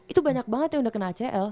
itu banyak banget yang udah kena acl